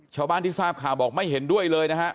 ชาวบ้านที่ทราบข่าวบอกไม่เห็นด้วยเลยนะฮะ